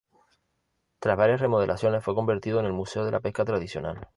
Tras varias remodelaciones fue convertido en el Museo de la Pesca Tradicional.